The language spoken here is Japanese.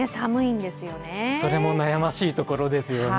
それも悩ましいところですよね。